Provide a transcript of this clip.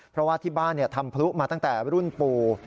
เพราะว่าที่บ้านทำพลุมาตั้งแต่รุ่นปู่